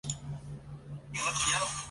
通常最主要的处理器是发动机控制器。